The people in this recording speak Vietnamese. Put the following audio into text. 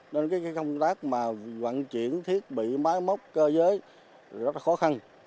nên cái công tác mà vận chuyển thiết bị máy móc cơ giới rất là khó khăn